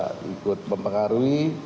beliau tidak ikut mempengaruhi